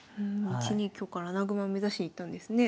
１二香から穴熊を目指しに行ったんですね。